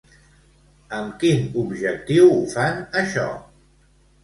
Amb quin objectiu ho fan això?